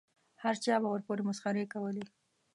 هر چا به ورپورې مسخرې کولې.